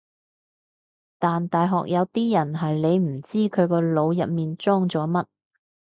但大學有啲人係你唔知佢個腦入面裝咗乜